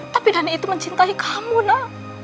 tapi dani itu mencintai kamu nak